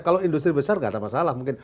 kalau industri besar nggak ada masalah mungkin